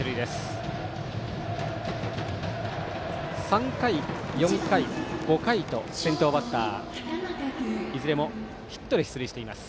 ３回、４回、５回と先頭バッターいずれもヒットで出塁しています。